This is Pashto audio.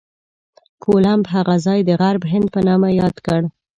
کولمب هغه ځای د غرب هند په نامه یاد کړ.